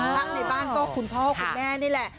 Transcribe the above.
พระในบ้านก็คุณพ่อคุณแม่นี่แหละ